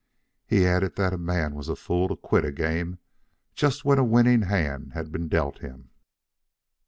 He also added that a man was a fool to quit a game just when a winning hand had been dealt him.